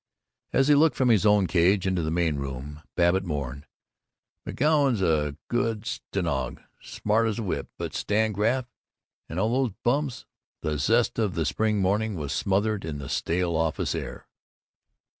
As he looked from his own cage into the main room Babbitt mourned, "McGoun's a good stenog., smart's a whip, but Stan Graff and all those bums " The zest of the spring morning was smothered in the stale office air.